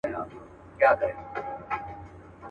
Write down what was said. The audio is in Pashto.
په فریاد یې وو پر ځان کفن څیرلی.